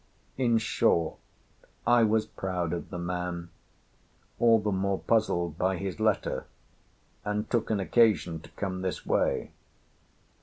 In short, I was proud of the man; all the more puzzled by his letter, and took an occasion to come this way.